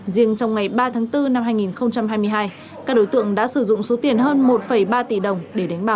riêng trong ngày ba tháng bốn năm hai nghìn hai mươi hai các đối tượng đã sử dụng số tiền hơn một ba tỷ đồng để đánh bạc